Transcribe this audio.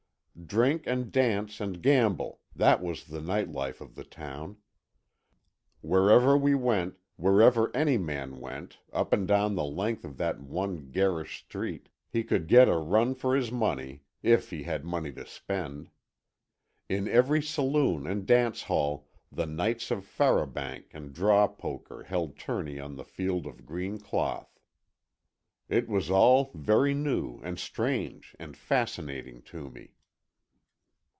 Drink and dance and gamble, that was the night life of the town. Wherever we went, wherever any man went, up and down the length of that one garish street, he could get a run for his money, if he had money to spend. In every saloon and dance hall the knights of farobank and draw poker held tourney on the field of green cloth. It was all very new and strange and fascinating to me.